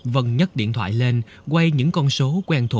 vân nhấc điện thoại lên quay những con số quen thuộc